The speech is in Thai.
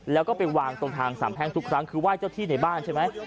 แล้วก็ไปวางตรงทางสามแพ่งทุกครั้งคือไหว้เจ้าที่ในบ้านใช่ไหม